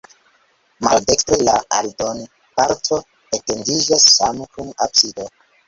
Maldekstre la aldonparto etendiĝas same kun absido.